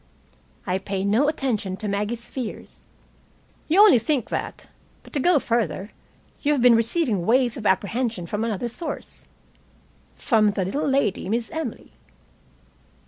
"I pay no attention to Maggie's fears." "You only think that. But to go further you have been receiving waves of apprehension from another source from the little lady, Miss Emily."